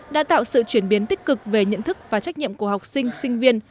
đã tạo sự chuyển biến tích cực về nhận thức và trách nhiệm của học sinh sinh viên